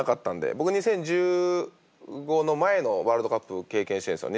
僕２０１５の前のワールドカップ経験してんすよ。